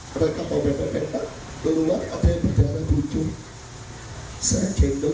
mereka mau bebek bebek berulang apa yang berjalan bujung